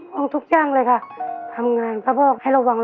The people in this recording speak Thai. ทุกจ้างเลยค่ะทำงานเขาบอกให้ระวัง